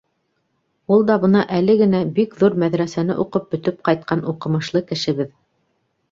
Ул да бына әле генә бик ҙур мәҙрәсәне уҡып бөтөп ҡайтҡан уҡымышлы кешебеҙ.